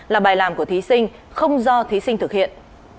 là bài làm của thí sinh không do thí sinh thực hiện